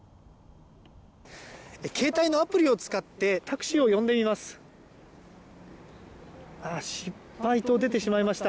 携帯のアプリを使ってタクシーを呼んでみます。